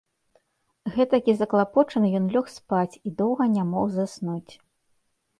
Гэтакі заклапочаны ён лёг спаць і доўга не мог заснуць.